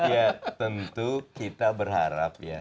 ya tentu kita berharap ya